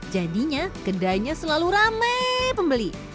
jadinya kedainya selalu ramai pembeli